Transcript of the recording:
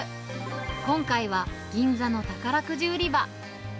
今回は銀座の宝くじ売り場。